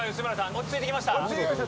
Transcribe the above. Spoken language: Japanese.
落ち着いてきました。